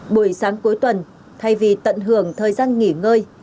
buổi sáng cuối tuần thay vì tận hưởng thời gian nghỉ ngơi